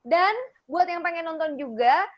dan buat yang pengen nonton juga